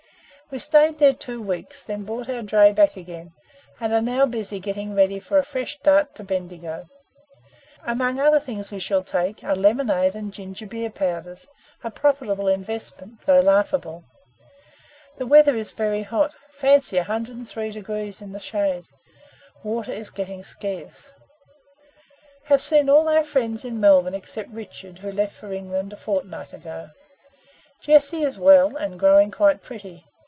We stayed there two weeks, then brought our dray back again, and are now busy getting ready for a fresh start to Bendigo. Among other things we shall take, are lemonade and ginger beer powders, a profitable investment, though laughable. The weather is very hot fancy 103 degrees in the shade. Water is getting scarce." "Have seen all our friends in Melbourne except Richard, who left for England a fortnight ago. Jessie is well, and growing quite pretty.